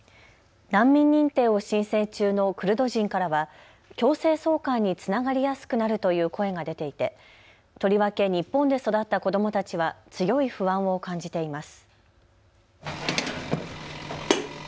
難民認定を申請中のクルド人からは強制送還につながりやすくなるという声が出ていてとりわけ日本で育った子どもたちは強い不安を感じています。